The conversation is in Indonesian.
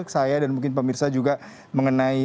saya dan mungkin pemirsa juga mengenai